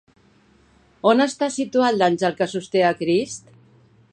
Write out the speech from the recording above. On està situat l'àngel que sosté a Crist?